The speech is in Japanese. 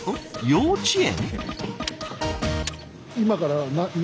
幼稚園？